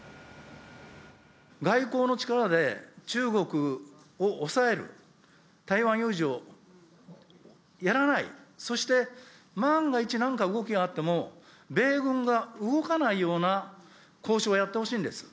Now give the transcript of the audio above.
外交の力で中国を抑える、台湾有事をやらない、そして、万が一なんか動きがあっても、米軍が動かないような交渉をやってほしいんです。